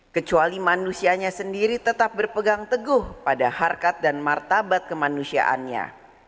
kecuali manusianya sendiri tetap berpegang teguh pada harkat dan martabat kemanusiaannya